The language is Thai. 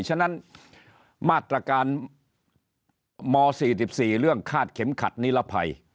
ฉะนั้นมาตรการม๔๔เรื่องคาดเข็มขัดนิรภัย